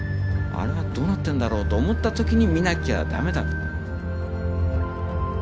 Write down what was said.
あれはどうなってんだろうと思った時に見なきゃ駄目だと。